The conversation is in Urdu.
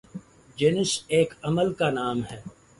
جنس ایک عمل کا نام ہے